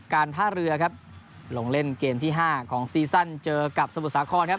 การท่าเรือครับลงเล่นเกมที่ห้าของซีซั่นเจอกับสมุทรสาครครับ